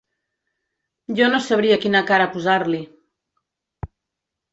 Jo no sabria quina cara posar-li.